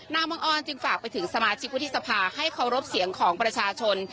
นางบังออนจึงฝากไปถึงสมาชิกวุฒิสภาให้เคารพเสียงของประชาชน